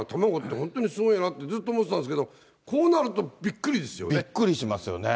だから卵って、本当にすごいなってずっと思ってたんですけど、こびっくりしますよね。